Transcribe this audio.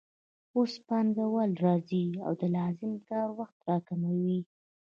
اوس پانګوال راځي او د لازم کار وخت راکموي